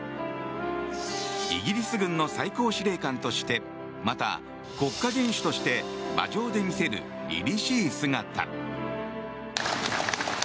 イギリス軍の最高司令官としてまた、国家元首として馬上で見せるりりしい姿。